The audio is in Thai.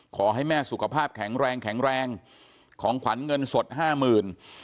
ขอให้แม่สุขภาพแข็งแรงแข็งแรงของขวัญเงินสดห้าหมื่น